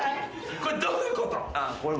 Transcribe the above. これどういうこと？